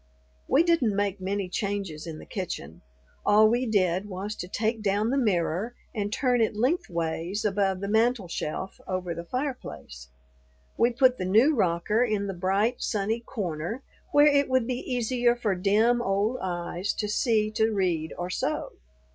We didn't make many changes in the kitchen. All we did was to take down the mirror and turn it lengthways above the mantel shelf over the fireplace. We put the new rocker in the bright, sunny corner, where it would be easier for dim old eyes to see to read or sew.